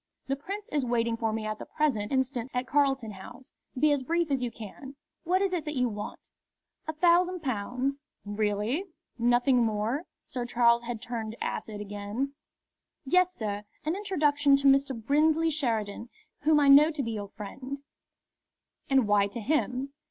The Prince is waiting for me at the present instant at Carlton House. Be as brief as you can. What is it that you want?" "A thousand pounds." "Really! Nothing more?" Sir Charles had turned acid again. "Yes, sir; an introduction to Mr. Brinsley Sheridan, whom I know to be your friend." "And why to him?"